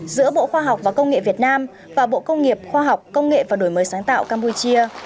giữa bộ khoa học và công nghệ việt nam và bộ công nghiệp khoa học công nghệ và đổi mới sáng tạo campuchia